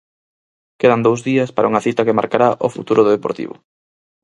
Quedan dous días para unha cita que marcará o futuro do Deportivo.